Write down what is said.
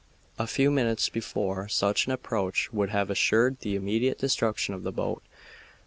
A few minutes before such an approach would have assured the immediate destruction of the boat.